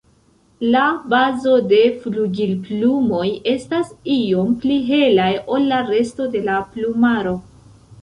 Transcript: La bazo de flugilplumoj estas iom pli helaj ol la resto de la plumaro.